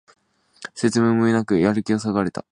説明もなくやる気をそがれた